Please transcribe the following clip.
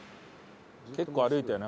結構歩いたよな